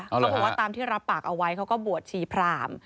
เขาบอกว่าตามที่รับปากเอาไว้เขาก็บวชชีพราม